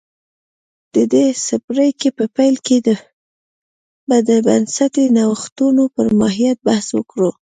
د دې څپرکي په پیل کې به د بنسټي نوښتونو پر ماهیت بحث وکړو